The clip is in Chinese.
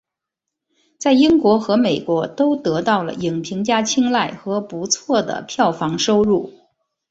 在英国和美国都得到了影评家青睐和不错的票房收入。